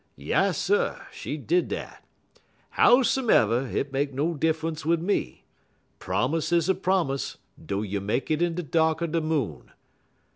Yasser! She did dat. Howsumev', hit ain't make no diffunce wid me. Promise is a promise, dough you make it in de dark er de moon.